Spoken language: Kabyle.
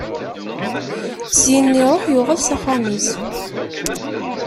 Syenna, iṛuḥ, yuɣal s axxam-is.